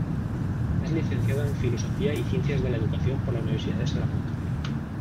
Es licenciado en Filosofía y Ciencias de la Educación por la Universidad de Salamanca.